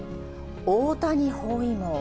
大谷包囲網。